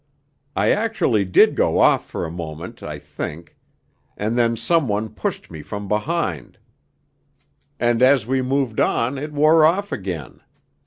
I actually did go off for a moment, I think, and then some one pushed me from behind and as we moved on it wore off again.